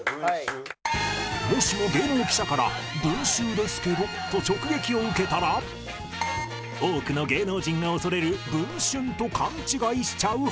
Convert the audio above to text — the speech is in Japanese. もしも芸能記者から「文集ですけど」と直撃を受けたら多くの芸能人が恐れる『文春』と勘違いしちゃうはず